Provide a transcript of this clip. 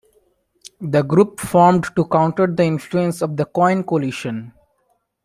The group formed to counter the influence of the Coin Coalition.